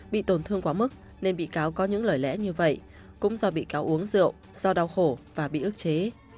bị tổn thương quá mức nên bị cáo có những lời lẽ như vậy cũng do bị cáo uống rượu do đau khổ và bị ước chế